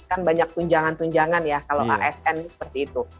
kan banyak tunjangan tunjangan ya kalau asn seperti itu